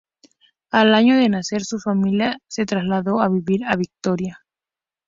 Al año de nacer, su familia se trasladó a vivir a Vitoria.